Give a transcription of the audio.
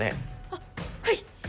あっはい！